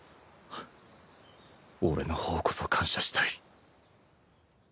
俺の方こそ感謝したい